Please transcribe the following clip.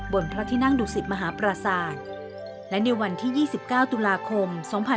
พระที่นั่งดุสิตมหาปราศาสตร์และในวันที่๒๙ตุลาคม๒๕๖๒